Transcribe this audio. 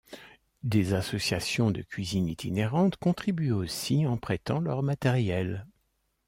Des associations de cuisine itinérante contribuent aussi en prêtant leur matériel.